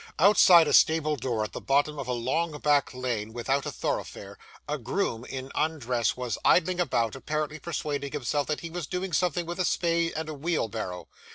Outside a stable door at the bottom of a long back lane without a thoroughfare, a groom in undress was idling about, apparently persuading himself that he was doing something with a spade and a wheel barrow.